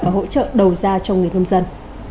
và hỗ trợ đầu ra cho người thông dân